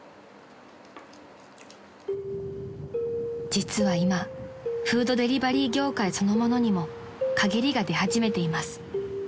［実は今フードデリバリー業界そのものにも陰りが出始めています］